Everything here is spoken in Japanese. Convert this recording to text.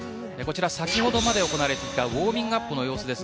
先ほどまで行われていたウオーミングアップの様子です。